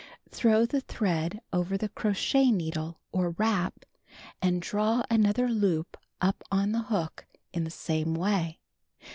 Throw the tliread over the crochet needle, or "wrap," and draw another loop up on the hook in the same way.